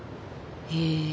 へえ。